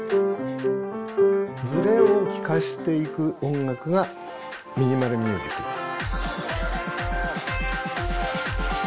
ズレを聴かせていく音楽がミニマル・ミュージックです。